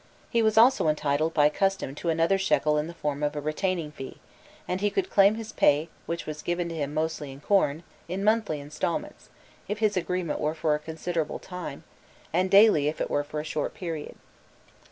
He was also entitled by custom to another shekel in the form of a retaining fee, and he could claim his pay, which was given to him mostly in corn, in monthly instalments, if his agreement were for a considerable time, and daily if it were for a short period.